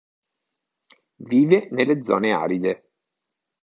Vive nelle zone aride.